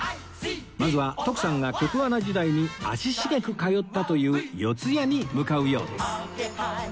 まずは徳さんが局アナ時代に足しげく通ったという四谷に向かうようです